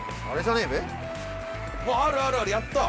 あるあるあるやった！